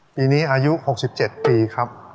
ปีนี้อายุหกสิบเจ็ดปีครับ